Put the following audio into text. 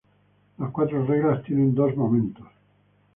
Las cuatro reglas tienen dos momentos.